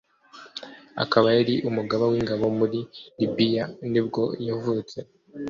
akaba yari umugaba w’ingabo muri Libya nibwo yavutse